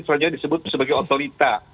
selanjutnya disebut sebagai otorita